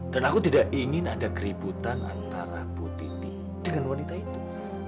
dan aku tidak ingin ada keributan antara putih ting dengan wanita itu